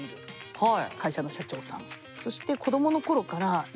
はい。